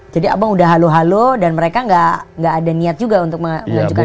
jadi abang udah halo halo dan mereka nggak ada niat juga untuk menunjukkan hak angket